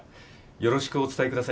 よろしくお伝えくださいね。